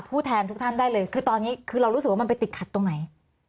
แทนทุกท่านได้เลยคือตอนนี้คือเรารู้สึกว่ามันไปติดขัดตรงไหน